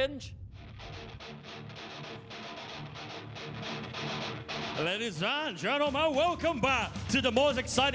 ในรบลงออกของประเภทไทย